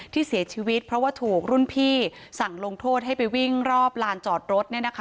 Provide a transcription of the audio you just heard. ที่เสียชีวิตเพราะว่าถูกรุ่นพี่สั่งลงโทษให้ไปวิ่งรอบลานจอดรถ